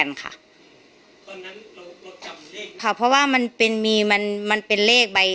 ตอนนั้นเราจำเลขค่ะเพราะว่ามันเป็นมีมันมันเป็นเลขใบ